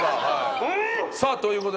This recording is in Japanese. さあということで。